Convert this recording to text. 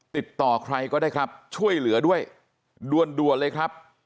ติดต่อใครก็ได้ครับช่วยเหลือด้วยด่วนเลยครับ